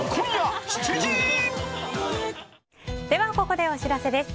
では、ここでお知らせです。